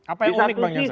apa yang unik bang yassin